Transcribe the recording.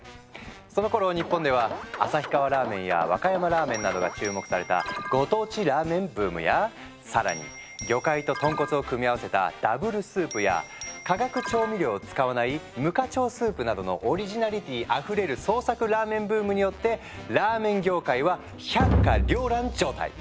そのころ日本では旭川ラーメンや和歌山ラーメンなどが注目された「ご当地ラーメンブーム」や更に魚介と豚骨を組み合わせたＷスープや化学調味料を使わない「無化調スープ」などのオリジナリティーあふれる「創作ラーメンブーム」によってラーメン業界は百花繚乱状態。